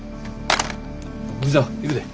藤沢行くで。